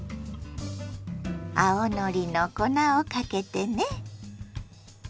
青のりの粉をかけてね。